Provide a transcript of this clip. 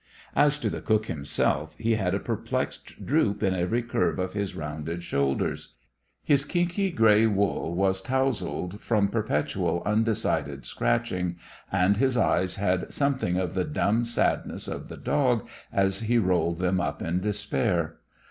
As to the cook himself, he had a perplexed droop in every curve of his rounded shoulders. His kinky gray wool was tousled from perpetual undecided scratching, and his eyes had something of the dumb sadness of the dog as he rolled them up in despair.